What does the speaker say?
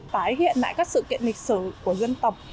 tái hiện lại các sự kiện lịch sử của dân tộc